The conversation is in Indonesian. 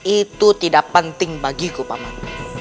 itu tidak penting bagiku paman